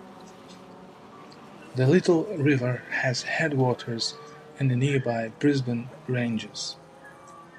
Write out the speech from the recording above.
The Little River has headwaters in the nearby Brisbane Ranges.